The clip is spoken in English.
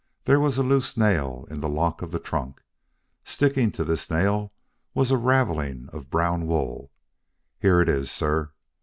There was a loose nail in the lock of the trunk. Sticking to this nail was a raveling of brown wool. Here it is, sir.